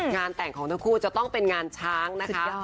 งานแต่งของทั้งคู่จะต้องเป็นงานช้างนะคะ